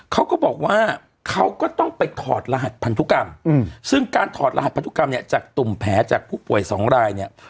เขาก็บอกว่าเขาก็ต้องไปถอดรหัสพันธุกรรมซึ่งการถอดรหัสพันธุกรรมเนี่ยจากตุ่มแผลจากผู้ป่วยสองรายเนี่ย